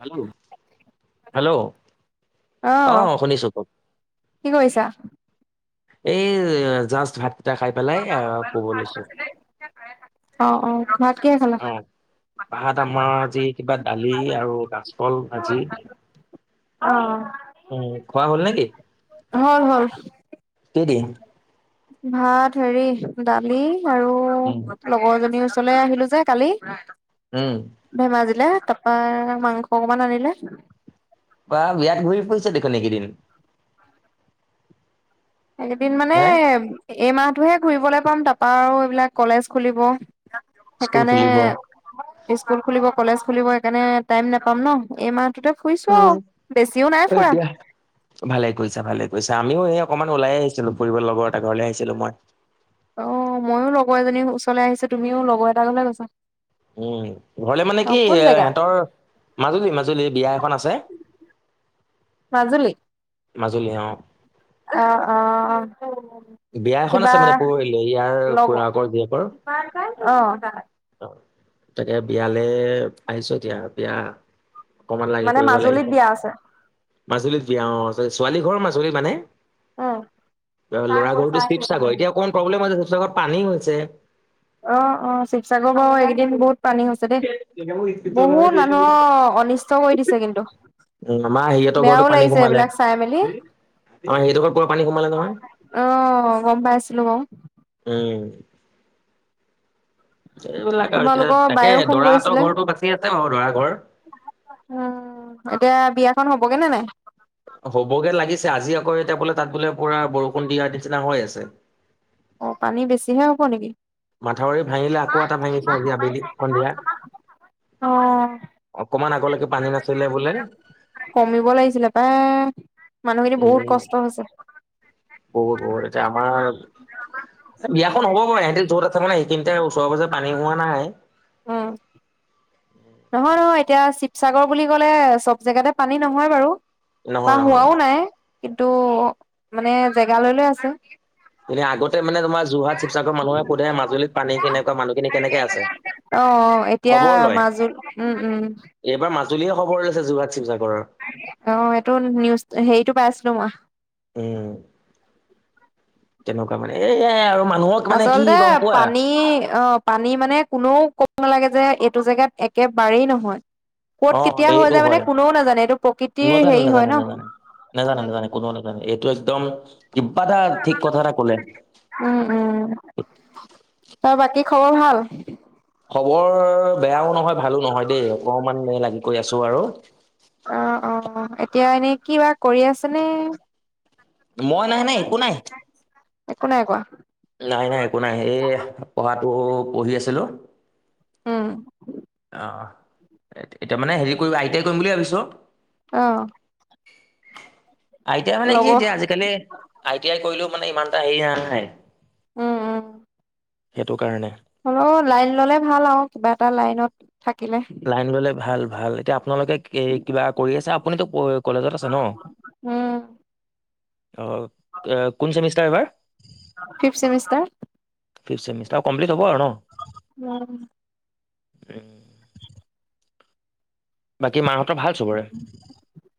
Hello hello. অ অহ, শুনিছো কওক কি কৰিছা? এই জাষ্ট ভাতকেইটা খাই পেলাই আহ শুবো লৈছো। অ অ ভাত কিহে খালা? অঁ ভাত আমাৰ আজি কিবা দালি আৰু কাছকল ভাজি। অহ। উম খোৱা হ'ল নেকি? হ'ল কি দি? ভাত হেৰি দালি আৰু উম লগৰজনীৰ ও ওচৰলে আহিলো যে কালি। উম। ধেমাজিলে, তাৰপা মাংস অকমান আনিলে। বা বিৰাত ঘূৰি ফুৰিছা দেখোন এইকেইদিন। এইকেইদিন মানে হে এই মাহটোহে ঘুৰিবলে পাম তাৰাপা আৰু এইবিলাক কলেজ খুলিব। স্কুল সেইকাৰণে খুলিব স্কুল খুলিব কলেজ খুলিব সেইকাৰণে টাইম নাপাম ন, এই মাহটোতে ফুইছো উম আও বেছিও নাই ফুৰা। এতিয়া ভালে কৰিছা ভালে কৰিছা, আমিও এই অকমান ওলাই আহিছিলো ফুৰিবলে লগৰ এটাৰ ঘৰলে আহিছিলো মই। অ ময়ো লগৰ এজনীৰ ওচৰলে আহিছো, তুমিও লগৰ এটা ঘৰলে গৈছা। উম ঘৰলে মানে কি অ', কোন জেগা এহঁতৰ মাজুলী মাজুলী এই বিয়া এখন আছে। মাজুলী? মাজুলী অহ। অ অ অ। বিয়া এখন কিবা আছে মানে পৰহিলে ইয়াৰ লগ অ', খুৰাকৰ জীয়েকৰ। তাকে বিয়ালে আহিছোঁ এতিয়া। এতিয়া অকমান লাগে মানে কৰিব মাজুলীত লাগিব। বিয়া আছে। মাজুলীত বিয়া অ', ছোৱালী ঘৰ মাজুলী মানে অ', ল'ৰা ঘৰটো শিৱসাগৰ এতিয়া অকণ প্ৰব্লেম হৈছে শিৱসাগৰত পানী হৈছে। অ', অ', শিৱসাগৰ বাৰু এইকেইদিন বহুত পানী হৈছে হৈছে দেই বহুত মানুহৰ অনিষ্ট কৰি দিছে কিন্তু। উম আমাৰ হেৰিহঁতৰ ঘৰতো বেয়াও পানী লাগিছে সোমালে এইবিলাক চাই মেলি আমাৰ হেৰিহঁতৰ ঘৰত পুৰা পানী সোমালে নহয় অ', গম পাইছিলোঁ বাৰু। উম। এইবিলাক আৰু এতিয়া তোমালোকৰ তাকে বায়েও ফোন দৰা হতঁৰ কৰিছিলে। ঘৰৰতো বাচি আছে বাৰু দৰা ঘৰ উম এতিয়া বিয়াখন হ'বগে নে নাই। হ'বগে লাগিছে আজি আকৌ এতিয়া বোলে তাত বোলে পুৰা বৰষুণ দিয়াৰ নিচিনা হৈ আছে। অ', পানী বেছিহে হব নেকি। মাথাউৰি ভাঙিলে আকৌ এটা ভাঙিছে আজি আবেলি সন্ধিয়া। অ', অকমান আগলৈকে পানী নাছিলে বোলে। কমিব লাগিছিলে পায় মানুহখিনি উম বহুত কষ্ট হৈছে। বহুত, বহুত এতিয়া আমাৰ বিয়াখন হ'ব বাৰু ইিহতিৰ য'ত থাক মানে সেইিনিতে ওচৰে পাজৰে পানী হোৱা নাই। উম। নহয়, নহয় এতিয়া শিৱসাগৰ বুলি ক'লে চব জেগাতে পানী নহয় বাৰু। বা নহয় নহয় হোৱাও নাই কিন্তু মানে জেগা লৈ, লৈ আছে। আগতে মানে তোমাৰ যোৰহাট শিৱসাগৰ মানুহে সোধে মাজুলীত পানী কেনেকুৱা মানুহখিনি কেনেকে আছে। অ', এতিয়া খবৰ লয় মাজুলী উম, উম এইবাৰ মাজুলী হে খবৰ লৈছে যোৰহাট শিৱসাগৰৰ। অ', এইটো নিউজ হেৰিতটো পাই আছিলোঁ মই। উম, তেনেকুৱা মানে এই আৰু। মানুহক মানে কি আচলতে গম পোৱা পানী অ' পানী মানে কোনেও ক'ব নালাগে যে এইটো জেগাত একেবাৰেই নহয়। ক'ত অ কেতিয়া হৈ এইটো যায় মানে হয় কোনেও নাজানে এইটো প্ৰকৃতিৰ নাজানে হেৰি হয় নাজানে নাজানে নাজানে ন। নাজানে কোনেও এইটো একদম কিবা এটা ঠিক কথা এটা কলে। উম, উম তাৰ বাকী খবৰ ভাল। খবৰ বেয়াও নহয় ভালো নহয় দেই অকণমান লাগি কৰি আছোঁ আৰু। অ', অ', এতিয়া এনে কি বা কৰি আছে নে। মই নাই, নাই একো নাই। একো নাই কোৱা নাই, নাই একো নাই এই পঢ়াতটো পঢ়ি আছিলোঁ। উম। অ', এতিয়া মানে হেৰি কৰিব আইটাই কৰিম বুলি ভাবিছোঁ। অ'। আই টি আই মানে কি লগৰ এতিয়া আজিকালি আই টি আই কৰিলেও মানে ইমান এটা হেৰি নাই। উম, উম। সেইটো কাৰণে। হ'লেও লাইন ললে ভাল আৰু কিবা এটা লাইনত থাকিলে। লাইন ললে ভাল, ভাল এতিয়া আপোনালোকে কিবা কৰি আছে আপুনিতো কলেজত আছে ন উম অ', কোন চেমিষ্টাৰ হয়? Fifth semester. Fifth semester complete হব আৰু ন। [unintelligible] উম। বাকী মাহহঁতৰ ভাল চবৰে। [inaudible]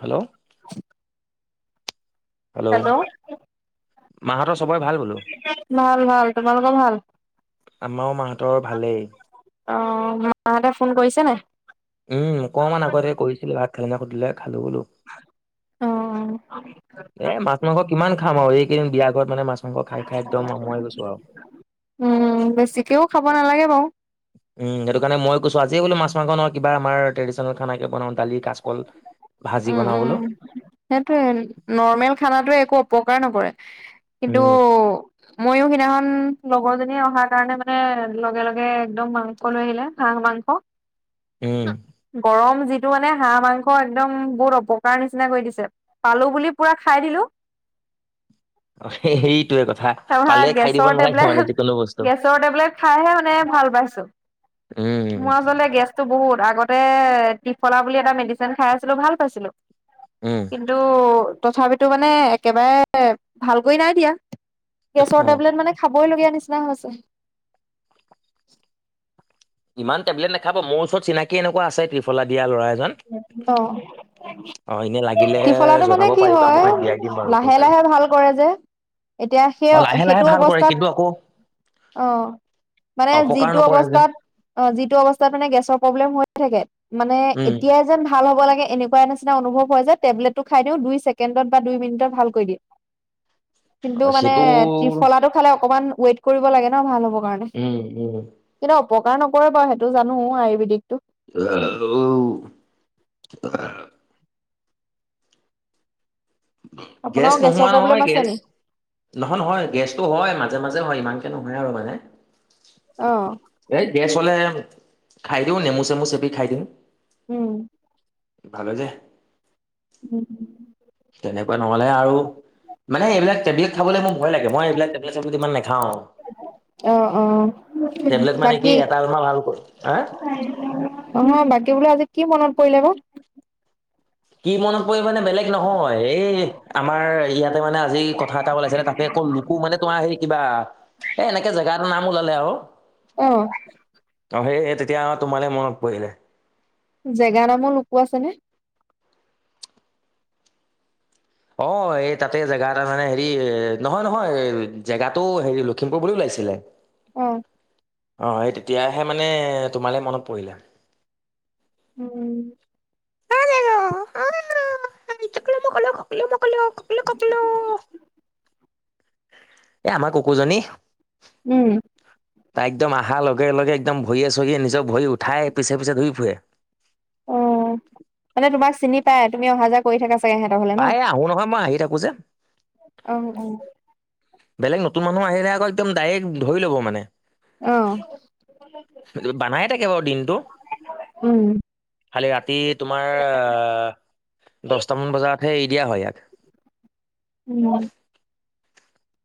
হেল্ল'। হেল্ল'। মাহঁতৰ চবৰে ভাল বোলো। ভাল ভাল তোমালোকৰ ভাল। আমাৰো মাহঁতৰ ভালেই। অ মাহঁতে ফোন কৰিছে নাই। উম অকমান আগতে কৰিছিলো ভাত খালী নাই সুধিলে খালো বোলো। অ [unintelligible] এ মাছ মাংস কিমান খাম আৰু এইকেইদিন বিয়া ঘৰত মানে মাছ মাংস খাই খাই একদম অমুৱাই গৈছো আৰু। উম বেছিকেও খাব নালাগে বাৰু। উম সেইটো কাৰণে মই কৈছো আজি বোলো মাছ মাংস ন কিবা আমাৰ ট্ৰেডিচনেল খানা বনাও দালি কাছ অকল ভাজি বনাও বুলো। সেইটোৱেই নৰ্মেল খানােটোৱে একো অপকাৰ নকৰে কিন্তু উম মইও সিদিনাখন লগৰজনীয়ে অহাৰ কাৰণে মানে লগে লগে একদম মাংস লৈ আহিলে হাঁহ মাংস [inaudible] উম। গৰম যিটো মানে হাঁহ মাংস অ একদম বহুত অপকাৰ নিচিনা কৰি দিছে পালো বুলি পুৰা খাই দিলো অ সেইটোয়ে কথা তাৰপৰা পালে খাই দিব গেছৰ নালাগে টেবলেট মানে যিকোনো বস্তু গেছৰ টেবলেট খাইহে মানে ভাল পাইছো উম মই আঁচলতে গেছ বহুত আগতে ট্ৰিফলা বুলি এটা মেডিচিন খাই আছিলো ভাল পাইছিলো। উম কিন্তু তথাপিতো মানে একেবাৰে ভাল কৰি নাই দিয়া গেছৰ অ টেবলেট মানে খাবই লগীয়া নিচিনা হৈছে ইমান টেবলেট নাখাব মোৰ ওচৰত চিনাকি এনেকুৱা আছে ত্ৰিফলা দিয়া' লৰা এজন অ অ এনে লাগিলে ত্ৰিফলাটো মানে জনাব কি পাৰিবা হয় মই দিয়াই দিম বাৰু কৈ লাহে পেলাই লাহে ভাল কৰে যে এতিয়া সেই অ লাহে লাহে সেইটো ভাল কৰে অৱস্থাত কিন্তু আকৌ অ মানে অপকাৰ যিটো নকৰে যে অৱস্থাত অ যিটো অৱস্থাত মানে গেছৰ প্ৰব্লেম হৈ থাকে মানে উম এতিয়াই যেন ভাল হ'ব লাগে এনেকোৱা নিচিনা অনুভৱ হয় যে টেবলেটটো খাই দিওঁ দুই ছেকেণ্ডত বা দুই মিনিটত ভাল কৰি দিয়ে অ, কিন্তু মানে সেইটো ত্ৰিফলাটো খালে অকমান ৱেইট কৰিব লাগে ন ভাল হ'ব কাৰণে উম উম কিন্তু অপকাৰ নকৰে বাৰু সেইটো জানো আয়ুৰ্বেদিকটো হেল্ল' গেছ আপোনাৰো গেছৰ নহোৱা প্ৰব্লেম নহয় আছে গেছ নি নহয় নহয় গেছটো হয় মাজে মাজে হয় ইমানকে নহয় আৰু মানে অ এ গেছ হলে খাই দিওঁ নেমু চেমু চেপি খাই দিওঁ উম ভাল হৈ যায় উম তেনেকুৱা নহলে আৰু মানে এইবিলাক টেবলেট খাব মোৰ ভয় লাগে মই এইবিলাক টেবলেট চেবলেট ইমান নাখাওঁ অ অ টেবলেট মানে কি এটা তোমাৰ ভাল হা হয় অ হয় বাকী বোলে আজি কি মনত পৰিলে বা কি মনত পৰি মানে বেলেগ নহয় এই আমাৰ ইয়াতে মানে আজি কথা এটা ওলাইছিলে তাতে অক'ল কোব মানে তোমাৰ হেৰি কিবা এ এনেকে জেগা এটা নাম ওলালে আৰু অ অ সেই তেতিয়া তোমালে মনত পৰিলে জেগা নামো লোকো আছে নে অ এই তাতে জেগা এ তটা মানে হেৰি নহয় নহয় জেগাতটোও হেৰি লখিমপুৰ বুলিও ওলাইছিলে অ অঁ এই তেতিয়াহে মানে তোমালৈ মনত পৰিলে উম অ [unintelligible] এ আমাৰ কুকুৰজনী উম তাই একদম অহাৰ লগে লগে একদম ভৰিয়ে চৰিয়ে নিজৰ ভৰি উঠাই পিছে পিছে ঘূৰি ফুৰে অ মানে তোমাক চিনি পাই তুমি অহা যোৱা কৰি থকা চাগে সিহঁতৰ হলে ন প্ৰায়ে আহো নহয় মই আহি থাকো যে অ অ বেলেগ নতুন মানুহ আহিলে আকৌ, একদম ডাইৰেক্ট ধৰি ল'ব মানে। অ', বানাইে থাকে বাৰু দিনটো। উম, খালী ৰাতি তোমাৰ, দহটামান বজাতহে, এৰি দিয়া হয় ইয়াক। উম।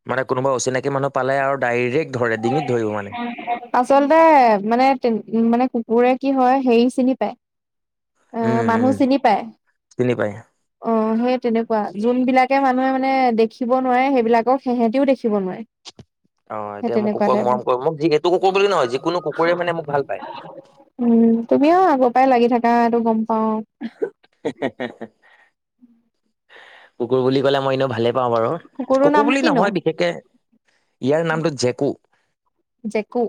মানে কোনোবা অচিনাকি মানুহ পালে আৰু ডাইৰেক্ট ধৰে, ডিঙিত ধৰিব মানে। আচলতে মানে, মানে কুকুৰে কি হয়, হেৰি চিনি পায়। আহ, উম মানুহ উম চিনি পায়। চিনি পায়। অঁ সেই তেনেকুৱা যোনবিলাকে মানুহে মানে দেখিব নোৱাৰে সেইবিলাকক সেহেঁতিও দেখিব নোৱাৰে অ সেই এতিয়া মোক তেনেকুৱা কুকুৰক টাইপৰ মৰম কৰে ম যি এইটো কুকুৰ বুলি নহয় যিকোনো কুকুৰে মানে মোক ভাল পায় উম তুমিও আগৰ পৰাই লাগি থাকা এইটো গম পাওঁ। হে হে কুকুৰ বুলি কলে মই ইনো ভালে পাওঁ পাওঁ বাৰু কুকুৰটোৰ কুকুৰ নাম বুলি কিনো? নহয় বিশেষকে ইয়াৰ নামটো জেকু জেকু।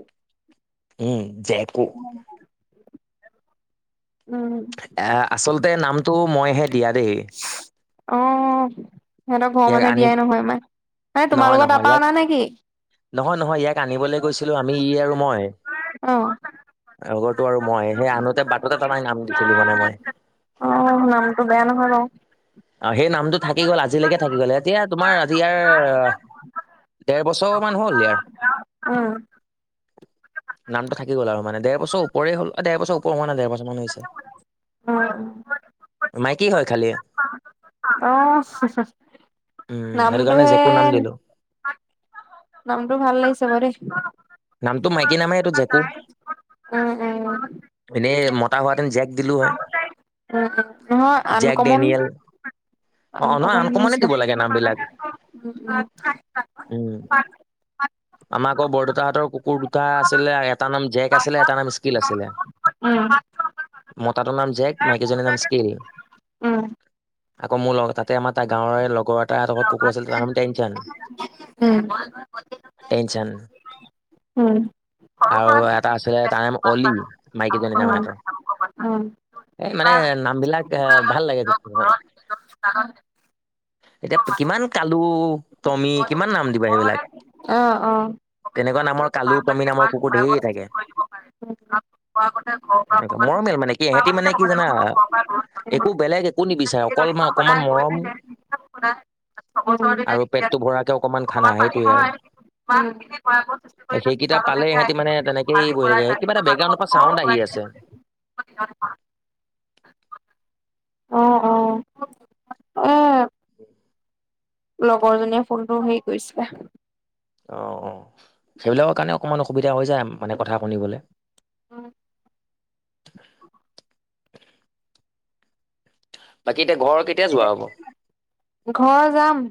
উম, জেকো। উম। এ, আচলতে, নামটো মইহে দিয়া দেই। অ', সিহঁতক ঘৰৰ মানুহে, দিয়াই নহয় আমাক। মানে তোমালোকৰ নহয়-নহয়, তাৰপা ইয়াক, অনা নেকি? নহয়-নহয়, ইয়াক আনিবলৈ গৈছিলো, আমি ই আৰু মই। অ। আগৰতো আৰু মই, সেই আনোতে বাটতে তাক, নাম দিছিলো মানে মই। অ', নামটো বেয়া নহয় বাৰো। অ', সেই নামটো থাকি গ'ল, আজিলৈকে থাকি গ'ল। এতিয়া তোমাৰ, আজি ইয়াৰ, ডেৰ বছৰমান হ'ল ইয়াৰ। উম। নামটো থাকি গ'ল আৰু মানে দে বছৰওপৰেই হল এ ডেৰ বছৰওপৰ হোৱা নাই, ডেৰ বছৰ মান হৈছে। অ। মাইকী হয়, খালী। অ', উম সেইটো নামটো কাৰণে হে জেকু নাম দিলো নামটো ভাল লাগিছে বাও দেই। নামতটো মাইকী নামহে এইটো জেকো। উম, উম, উম, এনেই মতা হোৱা হেতেন, জেক দিলো হয় নহয়, আন জেক কমন। ডেনিয়েল অ আন অ নহয় কমন আনকমনে নিচিনা দিব লাগে নাম বিলাক উম উম উম, আম আক' বৰ দেওতাহতৰ কুকুৰ দুটা আছিলে, এটা নাম জেক আছিলে, এটা নাম স্কিল আছিলে। উম, মতাটোৰ নাম জেক, মাইকী জনিৰ নাম স্কিল। আকৌ মোৰ লগ, তাতে আমাৰ গাঁৱৰ লগৰ এটা হেতৰ ঘৰত কুকুৰ আছিল, তাৰ নাম টেনশ্যান। টেনচন [unintelligible] উম। আৰু এটা আছিলে, তাৰ নাম অলি, মাইকীজনী নাম হেতৰ। উম, এই মানে, নাম বিলাক এ, ভাল লাগে [unintelligible] এতিয়া, কিমান কালু, টমি, কিমান নাম দিবা এইবিলাক। অ', কালু টমি নামৰ অ',। কুকুৰ ধেৰ থাকে [inaudible] [unintelligible] নমেল মানে, কি ইহঁতি মানে কি জানা, একো বেলেগ একো নিবিচাৰে, অকল [unintelligible] অকমান মৰম আৰু পেটটো ভৰাকে অকণমান খানা, সেইটোৱে আৰু। উম। সেইকেই পালেই ইহঁতি মানে, তেনেকেই বহি থাকে। কিবা এটা বেগ্ৰাউণৰ পৰা চাউড, আহি আছে। অ', অ', অ', লগৰজনীয়ে ফোনটো হেৰি কৰিছিলে। অ', অ', সেইবিলাকৰ কাৰণে অকণমান অসুবিধা হৈ যায় মানে কথা শুনিবলে। উম', বাকী এতিয়া ঘৰ কে ঘৰ যাম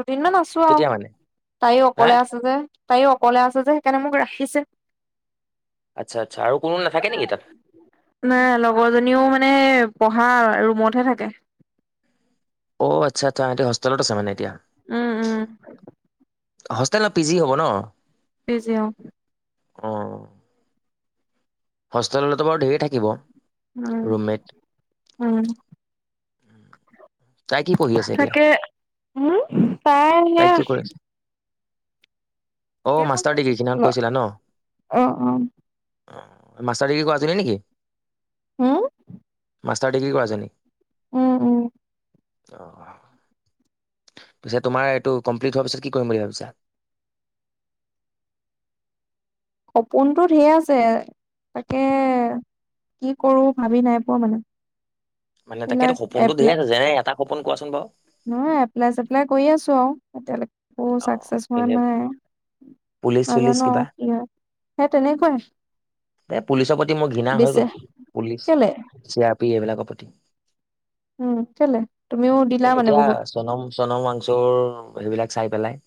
দুদিনমান আছো। কেতিয়া মানে তাইও হা অকলে আছে, যে তাইও অকলে আছে, যে সেইকাৰণে মোক ৰাখিছে। আচ্ছা-আচ্ছা, আৰু কোনো নাথাকে নেকি, তাত?। নাই লগৰজনীও মানে, পঢ়া ৰুমতহে থাকে। অ', আচ্ছা-আচ্ছা, হেতি হোষ্টেলত আছে মানে এতিয়া। উম, উম। হোষ্টেল ন', পি জি হ'ব ন'?। পি জি উম। অ', হোষ্টেল হলেটো বাৰু ধেৰ থাকিব। উম', ৰুমমেট উম তাই কি পঢ়ি আছে এতিয়া তাকে উম তাই হেয়া কি কৰি আছে অ', মাষ্টাৰ ডিগ্ৰী কেইদিনাখন অ', কৈছিলা ন অ', হম, অ', মাষ্টাৰ ডিগ্ৰী কৰা আছিলে নেকি হুম! [inaudible] মাষ্টাৰ ডিগ্ৰী কৰাইছে নি? [inaudible] উম-উম। [inaudible] অ! পিছে তোমাৰ এইটো কমপ্লিট হোৱাৰ পিছত কি কৰিম বুলি ভাবিছা? [inaudible] সপোনটো ধেৰ আছে। তাকে কি কৰো ভাবি নাই পোৱা মানে? [inaudible] মানে তাকেটো এইবিলাক সপোনটো ধেৰ এপ্লাই আছে। যেনে এটা সপোন কোৱা চোন বাৰু? [unintelligible] নহয় এপ্লাই-চেপ্লাই কৰি আছো আৰু এতিয়ালৈকে [unintelligible] [inaudible] অ চাকছেচ হোৱা এনে নাই। পুলিচ চুলিচ নাজানো কিবা আৰু কি হয়? সেই তেনেকুৱাই [unintelligible] এই পুলিচৰ প্ৰতি মোৰ ঘৃণা হৈ দিছে গ'ল। পুলিচ, কেলে চি আৰ পি এইবিলাকৰ প্ৰতি। [inaudible] উম! কেলে? তুমিও দিলা মানে বহুত? [inaudible] চনৰ মাংসোৰ সেইবিলাক চাই পেলাই। [inaudible]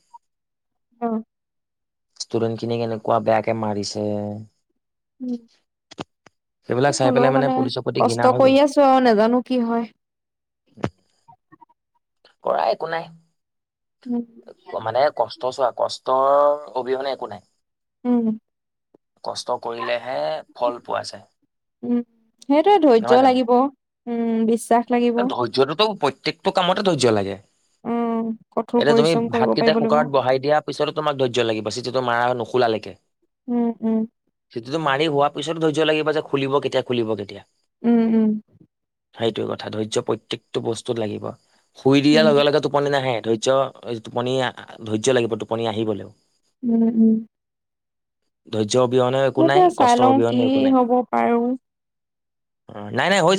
অঁ [inaudible] ষ্টুডেন্টখিনি কেনেকুৱা বেয়াকে মাৰিছে। [unintelligible] উম! সেইবিলাক চাই হলেও পেলাই মানে পুলিচৰ প্ৰতি ঘৃণা কষ্ট হৈ গ'ল কৰি আছ [inaudible] আছোঁ আৰু নাজানো কি হয়? [inaudible] কৰা একো নাই। উম মানে কষ্ট [inaudible] কষ্ট চোৱা কষ্টৰ অবিহনে একো নাই। [inaudible] উম! [unintelligible] কষ্ট কৰিলেহে ফল পোৱা যায়। [inaudible] উম! সেইটোৱেই নহয় ধৈৰ্য্য জানো? লাগিব। উম! বেছি [unintelligible] ধৈৰ্য্যটোতো প্ৰত্যেকটো কামতে ধৈৰ্য্য লাগে। উম [inaudible] কঠোৰ এতিয়া তুমি পৰিশ্ৰম কৰিব ভাতকেইটা পাৰিব লাগিব কুকাৰত বহাই দিয়া [inaudible] তাৰ পিছতো তোমাৰ ধৈৰ্য্য লাগিব। চিটিটো মাৰা নোখলালৈকে। [inaudible] উম-উম। [inaudible] চিটিটো মাৰি হোৱাৰ পিছতো ধৈৰ্য্য লাগিব যে খুলিব কেতিয়া, খুলিব কেতিয়া। [unintelligible] উম-উম! [inaudible] সেইটোৱেই কথা। ধৈৰ্য প্ৰত্যেকটো বস্তুত লাগিব। শুই উম দিয়াৰ লগে-লগে টোপনি নাহে ধৈৰ্য [inaudible] [inaudible] টোপনি ধৈৰ্য লাগিব টোপনি আহিবলৈও। উম-উম! [inaudible] ধৈৰ্য অবিহনে একো সেইটোৱে নাই। চাই কষ্টৰ লওঁ কি অবিহনে একো নাই। [inaudible] হব পাৰো। অঁ! নাই-নাই হৈ যাব [inaudible]